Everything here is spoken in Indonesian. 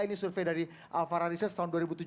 ini survei dari alfara research tahun dua ribu tujuh belas